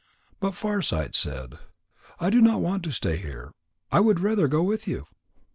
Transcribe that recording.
But Farsight said: "I do not want to stay here. I would rather go with you."